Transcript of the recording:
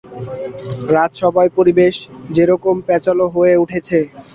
রাজসভার পরিবেশ যেরকম প্যাঁচালো হয়ে উঠেছে।